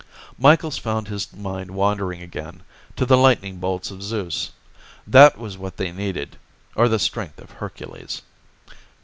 Micheals found his mind wandering again, to the lightning bolts of Zeus. That was what they needed. Or the strength of Hercules.